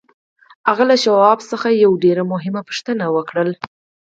هغه له شواب څخه یوه ډېره مهمه پوښتنه وکړه